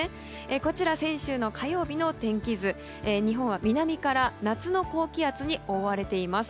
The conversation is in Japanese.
こちら、先週の火曜日の天気図ですが日本は南から夏の高気圧に覆われています。